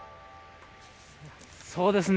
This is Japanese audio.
そうですね。